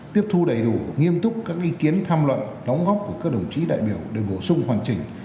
tiếp thu đầy đủ nghiêm túc các ý kiến tham luận đóng góp của các đồng chí đại biểu để bổ sung hoàn chỉnh